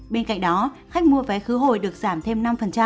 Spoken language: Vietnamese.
bên cạnh đó khách mua vé khứ hồi được giảm thêm năm